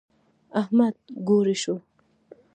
احمد ګوړۍ شو.